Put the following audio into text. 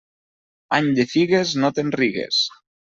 Any de figues, no te'n rigues.